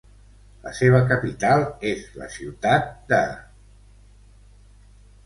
La seva capital és la ciutat de.